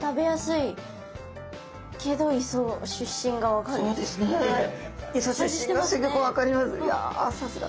いやさすが。